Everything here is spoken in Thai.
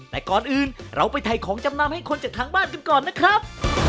แต่ก่อนอื่นเราไปถ่ายของจำนำให้คนจากทางบ้านกันก่อนนะครับ